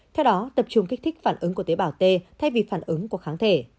theo đó tập trung kích thích phản ứng của tế bào t thay vì phản ứng của kháng thể